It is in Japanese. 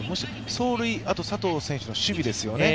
走塁、あと佐藤選手の守備ですよね。